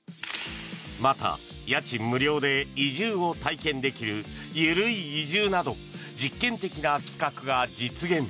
また、家賃無料で移住を体験できるゆるい移住など実験的な企画が実現。